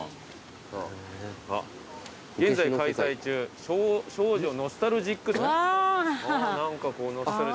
「現在開催中少女ノスタルジック展」うわー。